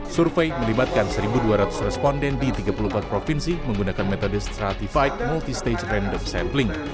survei melibatkan satu dua ratus responden di tiga puluh empat provinsi menggunakan metode stratified multistage random sampling